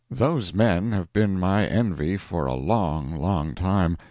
Those men have been my envy for a long, long time.